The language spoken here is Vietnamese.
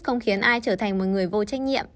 không khiến ai trở thành một người vô trách nhiệm